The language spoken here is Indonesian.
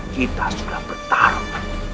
kita sudah bertarung